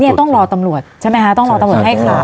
อ้าวต้องรอตำรวจใช่ไหมฮะต้องรอตำรวจให้คำสั่ง